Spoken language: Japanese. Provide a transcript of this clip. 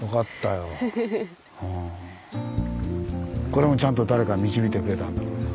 これもちゃんと誰か導いてくれたんだろうな。